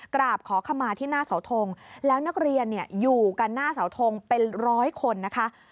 กราบขอขมาที่หน้าเสาทงแล้วนักเรียนอยู่กันหน้าเสาทงเป็นร้อยคนนะคะ